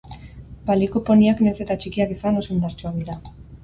Baliko poniak, nahiz eta txikiak izan, oso indartsuak dira.